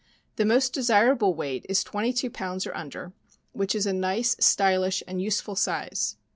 The most desirable weight is twenty two pounds or under, which is a nice, stylish, and useful size.